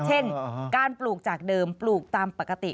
เช่นการปลูกจากเดิมปลูกตามปกติ